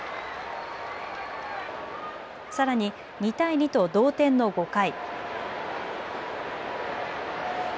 さらに２対２と同点の５回。